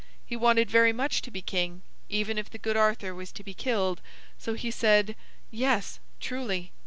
He wanted very much to be king, even if the good Arthur was to be killed; so he said: "Yes, truly."